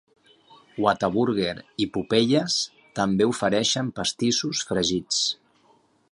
Whataburger i Popeyes també ofereixen pastissos fregits.